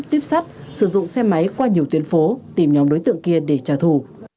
tuyếp sắt sử dụng xe máy qua nhiều tuyến phố tìm nhóm đối tượng kia để trả thù